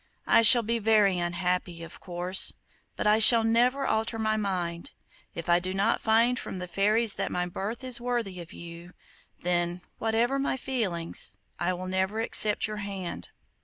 I shall be very unhappy, of course, but I shall never alter my mind. If I do not find from the fairies that my birth is worthy of you, then, whatever be my feelings, I will never accept your hand.